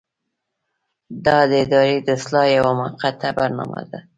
دا د ادارې د اصلاح یوه موقته برنامه ده.